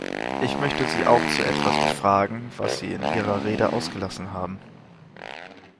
Ich möchte Sie auch zu etwas befragen, was Sie in Ihrer Rede ausgelassen haben.